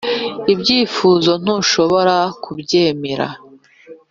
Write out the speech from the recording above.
ibyifuzo ntushobora kubyemera